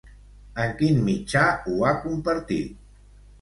En quin mitjà ho ha compartit?